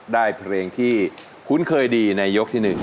ได้เพลงที่คุ้นเคยดีในยกที่๑